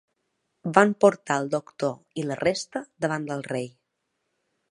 Van portar el doctor i la resta davant del rei.